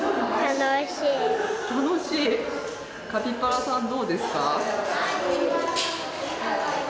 カピバラさん、どうですか？